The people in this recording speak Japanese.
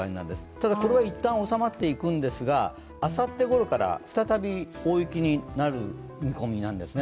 ただこれは一旦収まっていくんですが、あさってごろから再び大雪になる見込みなんですね。